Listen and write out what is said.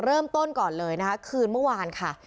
เริ่มต้นก่อนเลยนะคะคืนเมื่อวานค่ะ